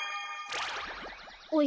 おや？